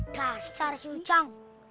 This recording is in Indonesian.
dasar sih ujang